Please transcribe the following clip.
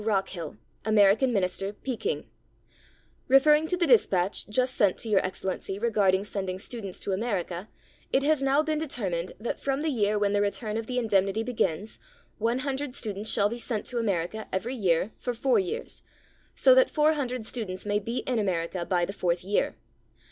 Rockhill, American Minister, Peking: — Referring to the dispatch just sent to Your Excellency regarding sending students to America, it has now been determined that from the year when the return of the indemnity begins, one hundred students shall be sent to America every year for four years, so that four hundred 259 CHINA students may be in America by the fourth year.